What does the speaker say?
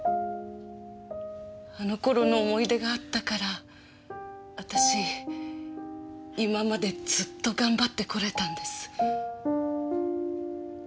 あの頃の思い出があったから私今までずっと頑張ってこれたんです。